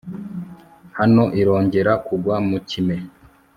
Hano irongera kugwa mu kime